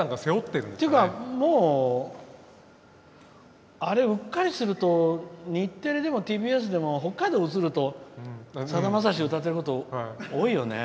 もう、あれうっかりすると日テレでもＴＢＳでも北海道映ると、さだまさし歌ってること多いよね。